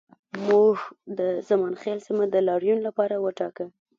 موږ د زمانخیل سیمه د لاریون لپاره وټاکه